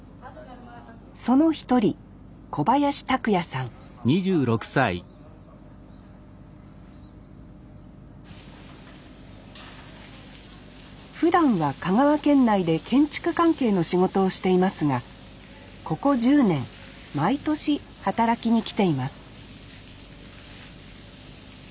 その一人ふだんは香川県内で建築関係の仕事をしていますがここ１０年毎年働きに来ています